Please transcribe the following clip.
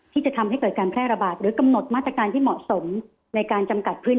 ที่จะทำให้เกิดการแพร่ระบาดขึ้น